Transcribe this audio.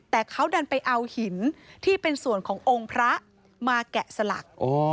แต่เขาดันไปเอาหินที่เป็นส่วนขององค์พระมาแกะสลัก